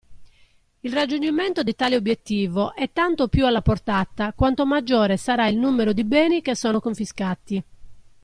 Il raggiungimento di tale obiettivo è tanto più alla portata quanto maggiore sarà il numero di beni che sono confiscati.